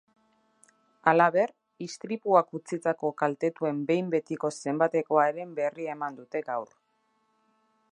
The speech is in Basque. Halaber, istripuak utzitako kaltetuen behin betiko zenbatekoaren berri eman dute gaur.